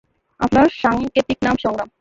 আপনার সাংকেতিক নাম সংগ্রাম।